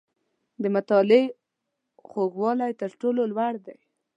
• د مطالعې خوږوالی، تر ټولو لوړ دی.